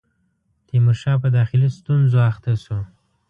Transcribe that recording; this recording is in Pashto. تیمورشاه په داخلي ستونزو اخته شو.